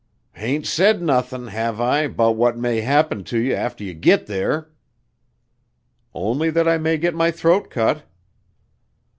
"Hain't said nothin', have I, 'bout what may happen to you after you git there?" "Only that I may get my throat cut."